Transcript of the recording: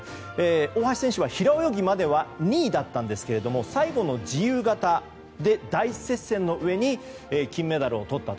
大橋選手は平泳ぎまでは２位だったんですけれども最後の自由形で大接戦のうえに金メダルをとったと。